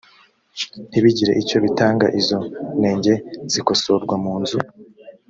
ntibigire icyo bitanga izo nenge zikosorwa munzu